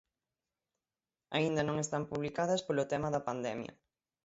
Aínda non están publicadas polo tema da pandemia.